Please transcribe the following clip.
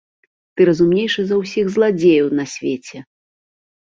Ты разумнейшы за ўсіх зладзеяў на свеце!